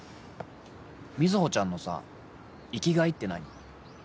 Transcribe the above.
瑞穂ちゃんのさ生きがいって何？